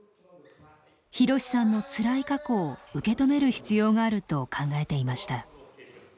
ひろしさんのつらい過去を受け止める必要があると考えていました。